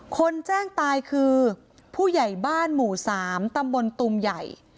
คนแจ้งตายคือผู้ใหญ่บ้านหมู่๓ตำบลตุมใหญ่